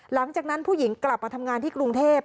หลังจากนั้นผู้หญิงกลับมาทำงานที่กรุงเทพ